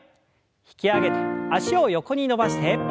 引き上げて脚を横に伸ばして。